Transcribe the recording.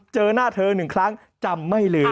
เจอหน้าเธอหนึ่งครั้งจำไม่ลืม